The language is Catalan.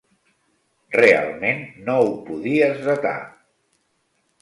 Realment no ho podies datar.